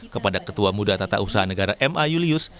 kepada ketua muda tata usaha negara ma julius